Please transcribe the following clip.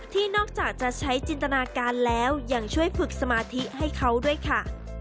นอกจากจะใช้จินตนาการแล้วยังช่วยฝึกสมาธิให้เขาด้วยค่ะ